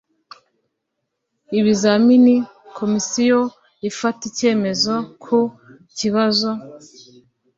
ibizamini Komisiyo ifata icyemezo ku kibazo